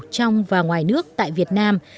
trong và ngoài nước tại việt nam